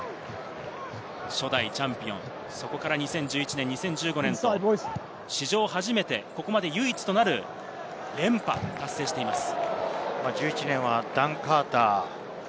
初代チャンピオン、そこから２０１１年、２０１５年と史上初めて、唯一となる連覇を達成しています。